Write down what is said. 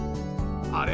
あれ？